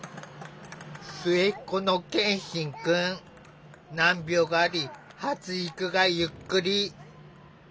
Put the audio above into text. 末っ子の難病があり発育がゆっくり。